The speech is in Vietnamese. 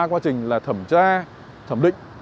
quá trình là thẩm tra thẩm định